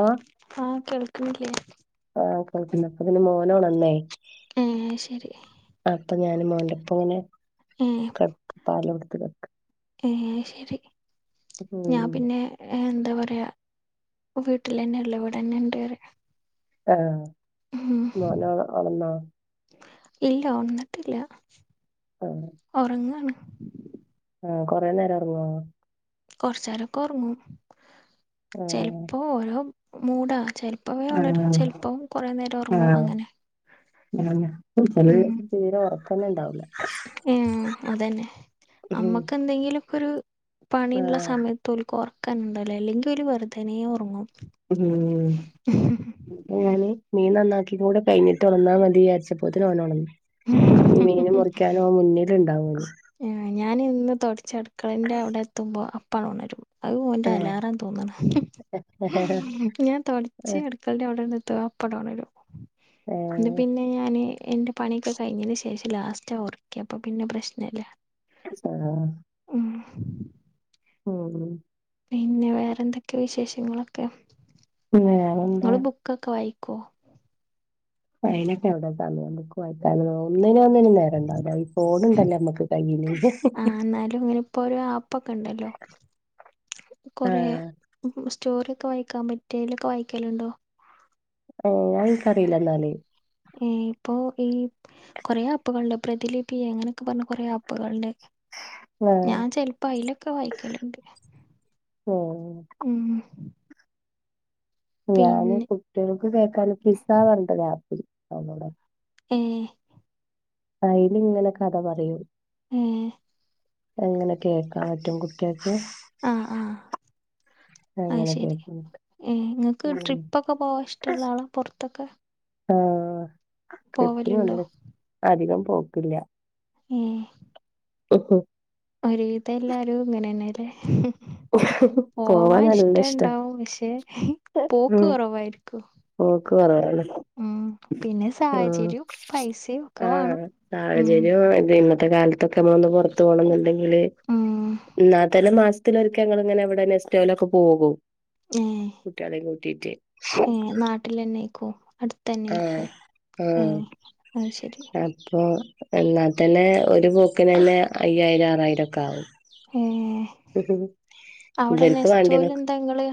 ആഹ് ആഹ് കേൾക്ക്ണില്ലേ ഇപ്പ പിന്നെപ്പ മോനോണന്നേ ഏഹ് ശെരി. ന്റെ മോന്റെ ഇപ്പോന് പാ പാല് കൊട് ഉം ശെരി ഞാം ഉം പിന്നെ ഏഹ് എന്താ പറ്യാ വീട്ടിലെന്നെള്ളെ ഇവടന്നെണ്ടീറ്യ ആ മോന് ഒണർന്നാ ഇല്ല ഒണർന്നിട്ടില്ല ആഹ് ഒറങ്ങാണ് ആ കൊറെ നേരം ഒറങ്ങോ കുറച്ച് നേരൊക്കെ ഉറങ്ങും ചെലപ്പോ ഓരോ മൂടാ ചെല ചെലപ്പോ ഉണരും ആഹ് ചെലപ്പം കുറെ നേരം ഉറങ്ങും അങ്ങനെ [unintelligible] ഒറക്കം ഒന്ന് ഉണ്ടാവൂല മ്മ് അതന്നെ ഉം അമ്മക്ക് എന്തെങ്കിലും ഇപ്പൊ ഒരു പണീള്ള ആഹ് സമയത്ത് ഓൽക്ക് ഒറക്കന്നണ്ടാവില്ല അല്ലെങ്കിൽ അവര് വെർതനേ ഉറങ്ങും ഉം ഇപ്പൊ ഞാന് മീൻ നന്നാക്കി ഇത് കൂടി കയിഞ്ഞിട്ട് ഉണർന്നാൽ മതിയാച്ചപ്പോൽതന്നേ ഓൻ ഒണർന്നു മീന് മുറിക്കാനും ആ മുന്നിൽ ഇണ്ടാവുള്ളു ആഹ് ഞാൻ എന്ന് തുടച്ച് അടുക്കളൻ്റെ അവിടെ എത്തുമ്പോൾ അപ്പൊണരും അത് ഓന്റെ ഏഹ് അലാറാ തോന്നണ് ഏഹ് ഞാൻ തൊടച്ച് അടുക്കൾടെ അവിടെന്ന് [unintelligible] അപ്പട് ഒണരും ഏഹ് പിന്നെ ഞാന് എന്റെ പണിയൊക്കെ കഴിഞ്ഞതിന് ശേഷം ലാസ്റ്റ് ഒർക്കിയെ അപ്പൊ പിന്നെ പ്രശ്നല്ല [unintelligible] ഉം മ്മ് പിന്നെ വേറെ എന്തൊക്കെ വിശേഷങ്ങളൊക്കെ വേറ എന്താ ക്കോ അയിനൊക്കെ എവിടെ സമയം ബുക്ക് വായിക്കാനൊക്കെ ഒന്നിനും ഒന്നിനും ഒന്നിനും നേരം ഇണ്ടാവില്ല ഈ ഫോണുണ്ടല്ലോ നമ്മക്ക് കയ്യില് ലോ [inaudible] കൊറെ ആഹ് സ്റ്റോറി ഒക്കെ വായിക്കാൻ പറ്റിയേൽ ഒക്കെ വായിക്കലുണ്ടോ ഏ എനിക്കറിയില്ല എന്നാല് ഏ ഇപ്പൊ ഈ കൊറേ ആപ്പുകളുണ്ട് പ്രതിലിപി അങ്ങനെയൊക്കെ പറഞ്ഞ് കൊറെേ ആപ്പുകളുണ്ട് ആഹ് ഞാൻ ചെലപ്പോ അയിലൊക്കെ വായിക്കല്ണ്ട് ഏഹ് ഉം ഞാന് പിന്നെ കുട്ടികൾക്ക് കേൾക്കാൻ പിസ്സ പറഞ്ഞിട്ട് ഒരു ആപ്പ് ഇണ്ട് [unintelligible] ഏ അയില് ഇങ്ങനെ കഥ പറയും ഏ എങ്ങനെ കേക്കാൻ പറ്റും കുട്ടികൾക്ക് ആ ആ അത് അങ്ങനെ ശരി കേക്ക ഏ നിങ്ങൾക്ക് ട്രിപ്പ് ഒക്കെ പോവാൻ ഇഷ്ടള്ള ആളാ പൊറത്തൊക്കെ ആ പോവലുണ്ടോ ട്രിപ്പ്ന് അധികം പോക്കില്ല ഏ മ്മ് മ്മ് ഒരു വിതം എല്ലാരും ഇങ്ങനെന്നേലേ പോവാ പോവാൻ നല്ല ഇഷ്ടാ ഇഷ്ടണ്ടാവും പക്ഷെ പോക്ക് കുറവായിരിക്കും ഓക്ക് പറയാലോ പിന്നെ ആ സാഹചര്യവും പൈസയും ഒക്കെ ആ വാണം ഉം സാഹചര്യം വേണ്ടേ ഇന്നത്തെ കാലത്തൊക്കെ നമ്മൾ ഒന്ന് പുറത്ത് പോണംന്നുണ്ടെങ്കിൽ ഉം ഇന്നാ തന്നെ മാസ ത്തിൽ ഒരിക്കെ ഞങ്ങളിങ്ങനെ എവിടെ നെസ്റ്റോലൊക്കെ പോകും ഏ കുട്ട്യേളേം കൂട്ടിയിട്ട് ഏ നാട്ടിലന്നെക്കോ അടുത്ത് ആ ആ അത് ശരി ആ ആ അല്ലാതന്നെ ഒരു പോക്കിന് തന്നെ അയ്യായിരം ആറായിരം ഒക്കെ ആകും ഉം ഔടെ ഇവർക്ക് നെസ്റ്റോ ല് വേണ്ടിയതൊക്കെ ണ്ടൊങ്ങള്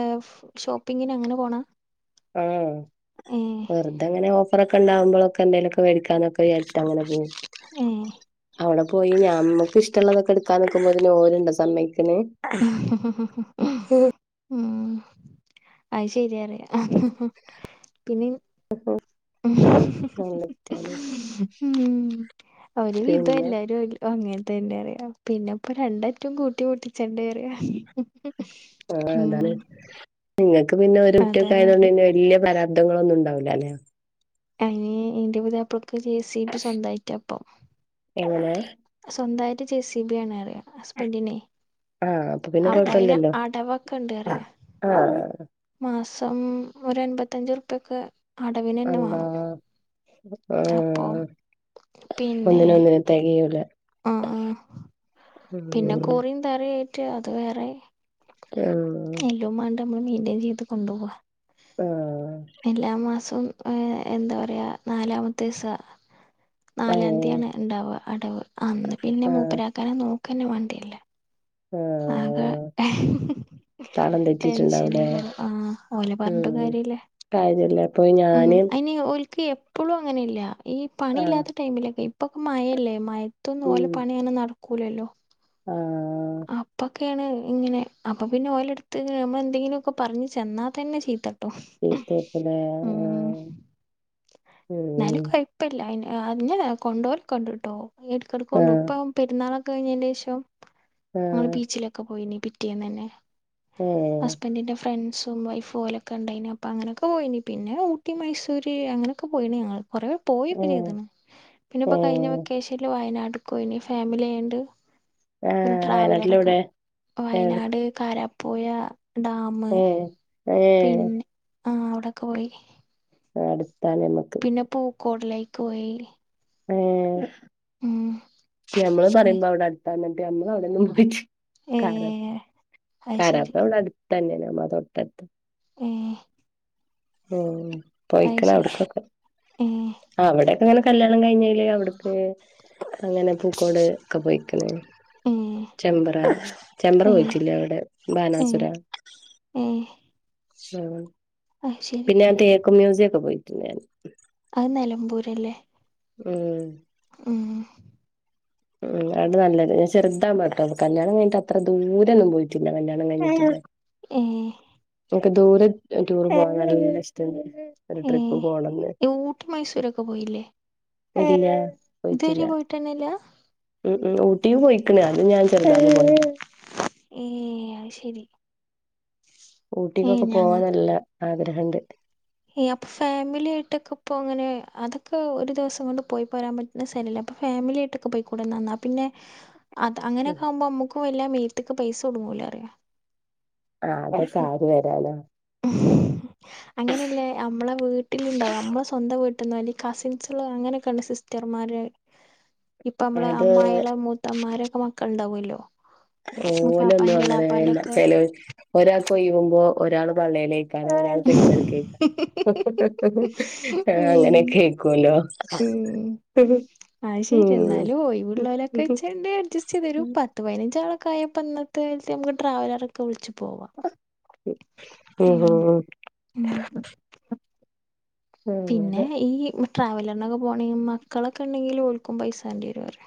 ആഹ് ഷോപ്പിങ്ങിനങ്ങനെ പോണ ആഹ് ഏഹ് വെറ്തങ്ങനെ ഓഫ് ഫറൊക്കെണ്ടാവുമ്പൊളൊക്കെ എന്തേലൊക്ക വേടിക്കാന്നൊക്കെ വിചാരിച്ചിട്ടങ്ങനെ പോവും ഉം ഔട പോയി ഞമ്മക്കിഷ്ടള്ളതൊക്കെ എടുക്കാ നിക്കുമ്പോത്തിന് ഓല്ണ്ടോ സമ്മയ് ക്ക്ണ് [inaudible] ആഹ് അയ്ശെര്യാലെ പിന്നിം [inaudible] ഹ്മ്മ് ഒരുവിധല്ലെ പിന്നെ ഓൽക്ക് എല്ലതും അങ്ങനന്നെ തന്നെറയാ പിന്നപ്പം രണ്ടറ്റും കൂട്ടി മുട്ടിച്ചണ്ടേറയാ ആഹ് അതാണ്. ഇങ്ങക്ക് പിന്നെ ഒരു കുട്ട്യൊക്കെ അതാണ് ആയതോണ്ട് പറയാ പിന്നെ വല്യ പരാ ബബന്ധങ്ങളൊന്നും ഇണ്ടാവൂലാ അല്ലേ അയ്ന് ഇന്റെ പുത്യാപ്ലക്ക് ജെ സി ബി സ്വന്തായ്റ്റാപ്പൊ എങ്ങനെ? സ്വന്തായിട്ട് ജെ സി ബി ആണ് പറയാ ഹസ്ബൻഡിനെ ആഹ് പിന്നെ അപ്പൊ അയ്ന് കൊഴപ്പില്ലല്ലോ അടവൊക്കെണ്ട്റ്യ ആഹ് മാസം ഒരു ഒരൻമ്പത്തൻഞ്ചുർപ്യൊക്കെ അടവിനെന്നെ അള്ളാ വാണം ആഹ് പിന്നെ ഒന്നിനൊന്നിനും തെകയൂല. ആഹ് ആഹ് പിന്നെ ഉം കുറിം തറിം ആയിറ്റ് അത് വേറെ ആഹ് എന്നിട്ട് ഞമ്മള് മെയ്ന്റൈൻ ചെയ്ത് കൊണ്ടോവ ആഹ് എല്ലാമാസും ഉം ഏഹ് എന്താ പറ്യ നാലാമത്തീസ ഏഹ് നാലാംതിയാണ് ഇണ്ടാവ അടവ് അന്ന് പിന്നെ ആഹ് മൂപ്പരാക്കാനെ നോക്കന്നെ വാണ്ട്യര്ലാ ആകെ ആഹ് [inaudible] താളം തെറ്റിയിട്ടുണ്ടാവൂലേ ടെൻഷനേക്കാരം. ആഹ് ഓലെ പറഞ്ഞ്ട്ടും കാര്യല്ല കാര്യല്ലേ പ്പൊ ഞാന് ഇന്ക്ക് എപ്പളും അങ്ങനെയല്ല ഈ പണി ആഹ് ഇല്ലാത്ത ടൈമിലൊക്കെ ഇപ്പൊക്കെ മഴല്ലേ മഴ ത്തൊന്നും ഉം ഓലെ പണി അങ്ങനെ നടക്കൂലല്ലോ ആഹ് അപ്പൊക് ക്കേണ് ഇങ്ങനെ അപ്പോ പിന്നെ ഓലെടുത്തിക്ക് നമ്മളെന്തെങ്കിലൊക്കെ പർഞ്ഞ് ചെന്നാതന്നെ ചീത്ത ട്ടും ചീത്തയാക്കുലേ ഊഹ് ആഹ് ഉം ന്നാലും കൊയ്പല്ലൈന് ആഹ് ഇന്നെനെ കൊണ്ടോവലൊക്കണ്ട്ട്ടോ എടക്കെടക്കൊണ്ടോവും. ആഹ് ഇപ്പം പെരുന്നാളൊക്കെ കയ്നേന്റേഷം ഞങ്ങള് ആഹ് ബീച്ചിലൊക്കെ പോയിനി പിറ്റേന്നന്നെ ഏഹ് ഹസ്ബൻഡിന്റെ ഫ്രണ്ട്സും സും വൈഫും ഓലൊക്കെണ്ടൈനി അങ്ങനൊക്കെ പോയിനി പിന്നെ ഊട്ടി മൈസൂര് അങ്ങനൊക്കെ പോയിണ് ഞങ്ങൾ കുറേ പോയൊക്കെ ഏഹ് ചെയ്തീണ് പിന്നപ്പൊ കഴിഞ്ഞ ഏഹ് വെക്കേഷല്ല് വയനാട് ട്രിപ്പൊക്കോയീനി ഫാമില്യായാണ്ട്. ആഹ് ട്രാവ് ലറൊക്കെ വയനാട്ടിലെവിടെ ഏഹ് വയനാട് കാരാപ്പുയ ഡാമ് ഏഹ് ആഹ് ഔടൊക്കെ പോയിനി ആട് പിന്നെ പൂക്കോട്ലൈക്കോയി. ഏഹ്‌ ഞമ്മള് പറിമ്പോ ഔടട്‌ത്ത ന്നട്ട് ഞമ്മളൌടൊന്നും പോയ്റ്റി ഏ ക്കാരം അത് ശരി കാരാപ്പുഴ വിടെ അടുത്തന്നെണ് ഞമ്മളെ തൊട്ടട്ത്ത് ഏഹ് ഊം പോയിക്ക്ണ് ഔട്ക്കൊക്കെ ഏ അവടെ അങ്ങനെ കല്യാണം കഴ്ഞ്ഞേല് അവ്ട്ക്ക് അങ്ങനെ പൂക്കോട് ഒക്കെ പോയ്ക്ക്ണ്. ഏ ചെമ്പറ ചെമ്പറ ഏ പോയിട്ടില്ലേ അവിടെ ബാനാസുര ആഹ് ആ പിന്നെ ഞാൻ തേക്ക് മ്യൂസിയ ഒക്കെ പോയിട്ടുണ്ട് ഞാൻ അത് നിലമ്പൂരല്ലേ ഉം ഉം ഉം അവിടെ നല്ലത് ഞാ ചെറുതാ വുമ്പ ട്ടോ കല്യാണം കഴിട്ട് അത്ര ദൂരൊന്നും പോയിട്ടില്ല കല്യാണം കഴിഞ്ഞിട്ട് ഏ നമുക്ക് ദൂരെ ടൂർ പോകാൻ നല്ല ഇഷ് [unintelligible] ഏ ഊട്ടി മൈസൂരൊക്കെ പോയില്ലേ ഇല്ല പോയിട്ടില്ല ഇതുവരെ പോയിട്ടന്നല്ല ഉം ഉ ഊട്ടി പോയിക്കണ അത് ഞാൻ ചെറു [unintelligible] ഏ അ ശരി ഏ ഊട്ടിക്കൊക്കെ ഞങ്ങ പോവാൻ നല്ല ആഗ്രഹണ്ട് ഏ അപ്പൊ ഫാമിലി ആയിട്ടൊക്കെ ഇപ്പൊ അങ്ങനെ അതൊക്കെ ഒരു ദിവസം കൊണ്ട് പോയി പോരാൻ പറ്റുന്ന സഥലല്ലെ അപ്പൊ ഫാമിലി ആയിട്ടൊക്കെ പോയിക്കൂടെന്നാ ന്നാ പിന്നെ അത അങ്ങനെക്കെ ആവുമ്പോ നമക്കും വല്ല മേത്തക്ക് പൈസ കൊടുങ്ങൂല അറിം ആ അത സാരി വരാലോ ല്ലെ നമ്മളെ വീട്ടിലുണ്ടാവും നമ്മള് സ്വന്തം വീട്ട [unintelligible] കസിൻസിലോ അങ്ങനെയൊക്കെയുള്ള സിസ്റ്റർമാര് ഇപ്പൊ നമ്മളെ അത് അമ്മായാളെ മൂത്തമ്മാരോക്കെ മക്കളുണ്ടാവല്ലോ ഓലൊന്നും അങ്ങനെ ഇല്ല ഒക്കെ ചെല ഒരാൾക്ക് ഒഴുവുമ്പോ ഒരാള് പള്ളേലേ [unintelligible] ആ അങ്ങനെ ഉം കേക്കുവല്ലോ ആത് ശരിയാ എന്നാലും ഒഴിവുള്ളോലൊക്കെ വെച്ച്ങ്ങാണ്ട് അഡ്സ്റ്റ് ചെയ്തരും ഒരു പത്ത്പതിനഞ്ചാള യാപ്പ ഇന്നത്തെ കാലത്ത് നമുക്ക് ട്രാവലറൊക്കെ വിളിച്ച് പോ ഉം ഉം ഉം ഉം പിന്നെ ഈ ട്രാവലറിനൊക്കെ പോകണെങ്കി മക്കളൊക്കെ ഉണ്ടെങ്കി ഓൽക്കും പൈസ വാണ്ടി വരോ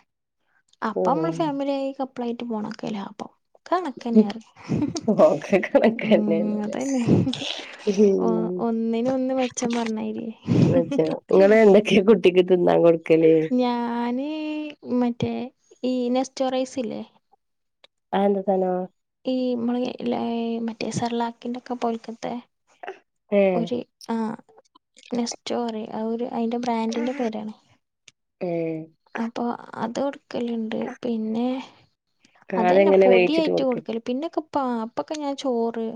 അപ്പൊ നമ്മള് ഉം ഫാമിലിയ ആയി കപ്പളായിട്ട് പോണൊ [unintelligible] കണക്ക തന്നെ ഒക്കെ ഉ കണക്കന്നെണ് അതന്നെ ഓ ഉം ഒന്നിന ഒന്ന് മെച്ചം പറഞ്ഞായിരി ഉച്ച്യെയെ [unintelligible] ന്ന് ഞാന് മറ്റേ ഈ നെസ്റ്റോറൈസല്ലേ ആന്ത തനോ ഈമ്മള മറ്റേ സർലാക്കിന്റെ ഒക്കെ പോൽക്കത്തെ ഏഹ് ഒരു ആ റ്റോറി ഒരു അയിന്റെ ബ്രാൻഡിന്റെ പേരാണ് ഉം അപ്പൊ അത് കൊടുക്കലുണ്ട് പിന്നെ അതനെ അതെങ്ങനെ വേവിച്ചിട്ട് പൊടായിട്ട് കൊടുക്കെ കൊടുക്കല് പിന്നെക്കെ അ അപ്പൊക്കെ ഞാൻ ചോറ്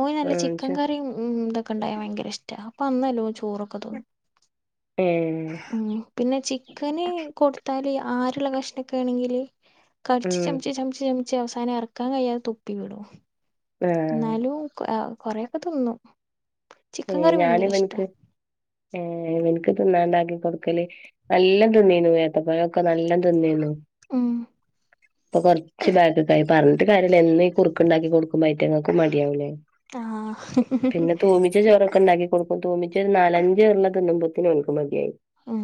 ഓയി നല്ല ആഹ് ചിക്കൻ ച്ചോ കറ ഉ തൊക്കെ ഉണ്ടായാൻ ഭയങ്കര ഇഷ്ട അപ്പൊ മ്മലോ ചൊ.. ഉം ഉ പിന്നെ ചിക്കന് കൊടുത്താല് ആരുള്ള കഷ്ണക്കെ ആണെങ്കില് കടിച്ചു ഉം ചമച്ച് ചമച്ച് ചമച്ച് അവസാനം ഇറക്കാൻ കഴിയാതെ തൊപ്പി വിടോ ആഹ് എന്നാലും കൊറെൊക്കെ തിന്നു ഏ ഞൻ ഇവനക്ക് ഏവക്ക് തിന്നാണ്ടാക്കി കൊടുക്കല് നല്ല തിന്നീന്നു വഏത്തപ്പഴൊക്കെ നല്ല തിനിനു ഉം അപ്പൊ കൊറച്ച് ബാഗൊക്ക ആയി പറഞ്ഞിട്ട് കാര്യമ എന്ന കുറുക്കുണ്ടാക്കി കൊടുക്കുമ്പോയിട്ട് ങ്ങക്ക് മടിയാവൂല്ലേ ആഹ് ചോറൊക്കെ ഉണ്ടാക്കി കൊടുക്കും തൂമിച്ച് ഒരു നാലഞ്ച് ഇള്ള തിളുമ്പത്തിന് ഓൽക് മതിയായി ഉം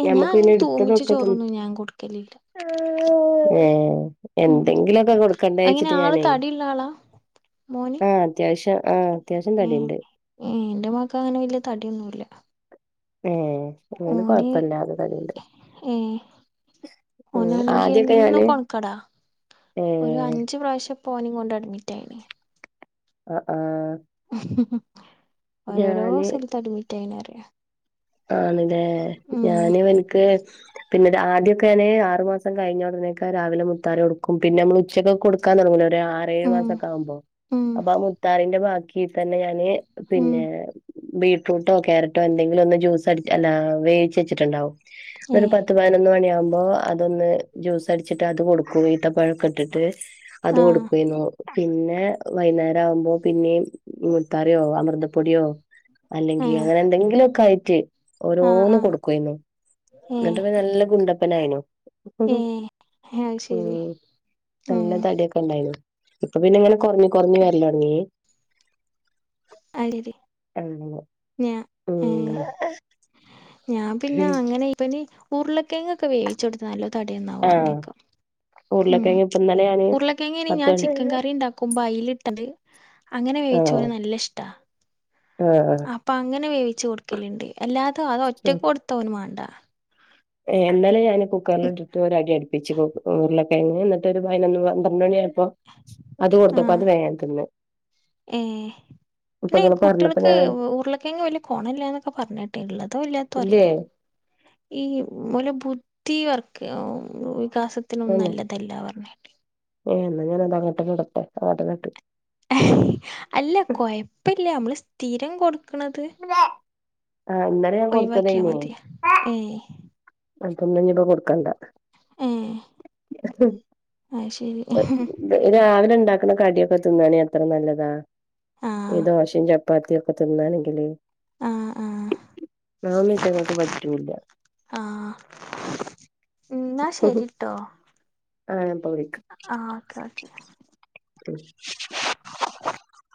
ഏഹ് ഞാൻ ഞമ്മക്ക് പിന്നെ അങ്ങനെ തൂമിച്ച എടുത്തതൊക്കെ തിന് ചോറൊന്നും ഞാൻ കൊടുക്കലില്ല [unintelligible] ഉം എന്തെങ്കിലുഒക്കെ കൊടുക്കണ്ടേ എങ്ങനെ വച്ചിട്ട് ആള് ഞാനേ തടിയുള്ള ആളാ മോന് ആ അത്യാവശ്യ ആ അത്യാവശ്യം തടിഇണ്ട് ഏ എന്റെ മക്ക് അങ്ങനെ വല്യ തടിഒന്നൂല്ല ഏ ഇവന് കൊഴപ്പില്ലാതെ തടിഇണ്ട് ഏഹ് ഓനാണെങ്കി എന്നും കൊണക്കേടാ ഏ ഒരു അഞ്ച് പ്രാശ്യം ഓനേം കൊണ്ട് അഡ്മിറ്റ് ആയിണ് അ ആ ഓരോരോ സ്ഥലത്ത് അഡ്മിറ്റ് ആയിനറിയ ആണ് ല്ലേ ഞാന് ഇവന്ക്ക് പിന്നെ ഒരു ആദ്യക്കെ എനെ ആറ് മാസം കഴിഞ്ഞ ഉടനെക്കെ രാവില മുത്താറി കൊടുക്കും പിന്നെ നമ്മള് ഉച്ചക്ക കൊടുക്കാൻ തുടങ്ങല്ലോ ഒരു ആറേഴു ഉം മാസൊക്കെ ആവുമ്പോ ഉം അപ്പൊ അ മുത്താറീന്റെ ബാക്കി തന്നെ ഞാന് ഉം പിന്നെ ബീറ്റ്റൂട്ടോ കയാരറ്റോ എന്തെങ്കിലും ഒന്ന് ജ്യൂ സടി അല്ല വേച്ച് വെചിട്ടുണ്ടാവും അതൊരു ഏഹ് പത്തുപതിനൊന്ന് മണിയാമ്പോ അതൊന്ന് ജ്യൂസ് അടിച്ചിട്ട് അത് കൊടുക്കു ഇത്തപ്പഴം ഒക്കെ ഇട്ടിട്ട് അത് ആഹ് കൊടുക്കുവേന്നു പിന്നെ വൈന്നേരം ആവുമ്പോ പിന്നേം മുത്താറിയോ അമൃതപ്പൊടിയോ അല്ലെങ്കി ഏഹ് അങ്ങനെ എന്തെങ്കിലുഒക്കെ ആയിട്ട് ആഹ് ഓരോന്ന് ആഹ് കൊടുക്കുഅയ്ന്നു ഏഹ് എന്നിട്ട്പ്പ നല്ല ഗുണ്ടപ്പനായിനു ഏഹ് അത് ശരി [unintelligible] ഉം നല്ല തടിയൊക്കെ ഉണ്ടായിന്നു ഇപ്പൊ പിന്നെ ഇങ്ങനെ കൊറഞ് കൊറഞ് വരലോടങ്ങി അ എരി ഞാ ഏ ഉം ഞാൻ പിന്നെ ഉം അങ്ങനെ ഇപ്പനി ഊർല് കിഴങ്ങൊക്കെ വേവിച്ച കൊടുത്ത നല്ല തടി എന്നാവു പറഞ്ഞേക്ക ഉരുളകിഴങ്ങു ഇപ്പൊ ഇന്നലെ ഞാന് ഉരുളക്കിഴങ്ങേന പത്ത് ഞാൻ മണി ചിക്കൻ കറി ഉണ്ടാക്കുമ്പോ അയിലിട്ടല് അങ്ങനെ വേവിച്ചോന് ആഹ് നല്ല ഇഷ് ആഹ് അപ്പൊ അങ്ങനെ വേവിച്ച് കൊടുക്കലുണ്ട് എല്ലാതും അത് ഒറ്റക്ക് കൊടുത്തോന് മേണ്ട എന്നലേ ഞാൻ കുക്കറില് ഇട്ടിട്ട് ഒര് അടി അടിപ്പിച്ച് കൊ ഉരുള എങ്ങനെ ഇന്നട്ട് ഒരു പയ്നൊന്ന് പന്ത്രണ്ട് മണി ആയപ്പോ അത് കൊടുത്തപ്പോ അത് വേം തിന്ന് ഏ ഇപ്പൊ ല്ലേ ഇങ്ങള് പറഞ്ഞപ്പോ കുട്ടേൾക്ക് ഞാൻ ഉർളക്കെയങ്ങ് വല്യ കൊണല്ല്യാന്നൊക്കെ പറഞ് കേട്ട് ഇള്ളതോ ഇല്ലാത്തോ ഇല്ലേ അറിയില്ല ഈ ഓല ബുദ്ധി വർക്ക് വികാസത്തിനൊന്നും നല്ലതല്ല പറഞ് ഏ എന്നാ ഞാന് അത് അങ്ങോട്ടന്ന ഇടട്ടെ അങ്ങാട്ടന്ന്ട്ട് അല്ല കൊയപ്പല്ല നമ്മള് സ്ഥിരം കൊടു ക്ക്ണത് ആഹ് ഇന്നലെ ഞാൻ ഒഴിവാക്കിയാ മതിയ ഏയ് [unintelligible] ഇഞ്ഞിപ്പ കൊടുക്കണ്ട ഏ അയ്ശരി രാവിലിണ്ടാക്ക്‌ണ കടിയൊക്കെ തിന്നാണെ അത്ര നല്ലതാ ഈ ആഹ് ദോശേം ചപ്പാ പ്പാത്തിയൊക്കെ തിന്നാണെങ്കില് ആഹ് ആഹ് ന്നാ ഇയ്റ്റേങ്ങൾക്ക് പറ്റൂല്ല ഇന്നാ ശരിട്ടോ ആഹ് ഞാൻ ഇപ്പൊ വിളിക്കാ ആ ഓക്കെ ഓക്കെ ഉം